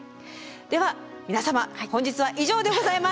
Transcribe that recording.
では皆様本日は以上でございます。